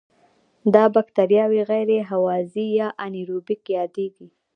دا بکټریاوې غیر هوازی یا انئیروبیک یادیږي.